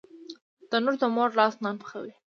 تنور د مور لاس نان پخوي